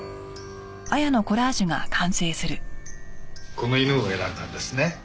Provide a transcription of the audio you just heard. この犬を選んだんですね。